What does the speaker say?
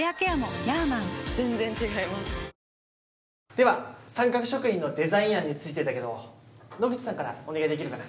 では三角食品のデザイン案についてだけど野口さんからお願いできるかな。